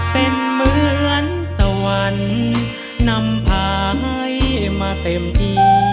เป็นเหมือนสวรรค์นำพาให้มาเต็มที่